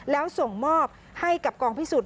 แล้วส่งมอบให้กับกองพิสูจน